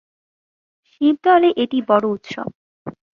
শিবদ’লে এটিই বড়ো উৎসব।